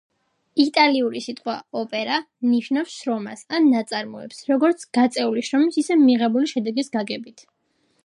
იტალიური სიტყვა opera ნიშნავს „შრომას“ ან „ნაწარმოებს“, როგორც გაწეული შრომის, ისე მიღებული შედეგის გაგებით.